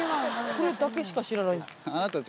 これだけしか知らない。